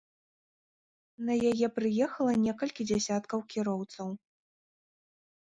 На яе прыехала некалькі дзясяткаў кіроўцаў.